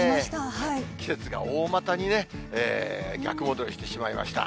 季節が大股に逆戻りしてしまいました。